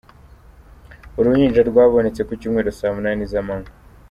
Uruhinja rwabonetse ku cyumweru saa munani z’amanywa.